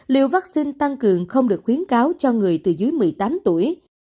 liệu vắc xin tăng cường không được khuyến cáo cho người từ dưới một mươi tám tuổi